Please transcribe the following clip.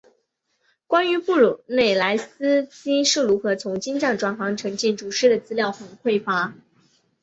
关于布鲁内莱斯基是如何从金匠转行成建筑师的资料很匮乏。